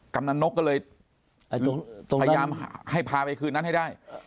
กำลังนกก็เลยพยายามให้พาไปคืนนั้นให้ได้